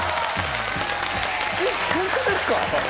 えっ本当ですか